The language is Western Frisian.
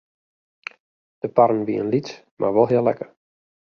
De parren wienen lyts mar wol heel lekker.